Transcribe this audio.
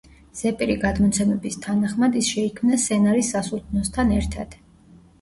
ზეპირი გადმოცემების თანახმად ის შეიქმნა სენარის სასულთნოსთან ერთად.